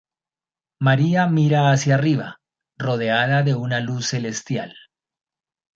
María mira hacia arriba, rodeada de una luz celestial.